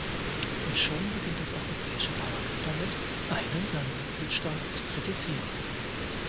Und schon beginnt das Europäisches Parlament damit, einen seiner Mitgliedstaaten zu kritisieren.